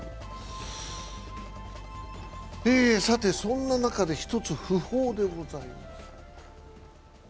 さて、そんな中で一つ訃報でございます。